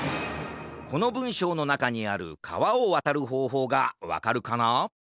このぶんしょうのなかにあるかわをわたるほうほうがわかるかな？